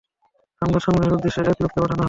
সংবাদ সংগ্রহের উদ্দেশে এক লোককে পাঠানো হয়।